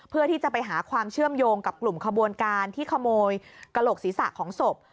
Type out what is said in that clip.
เพื่อที่จะไปหาความเชื่อมโยงกับกลุ่มขบวนการที่ขโมยกระโหลกศีรษะของศพ